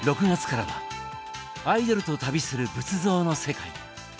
６月からは「アイドルと旅する仏像の世界」。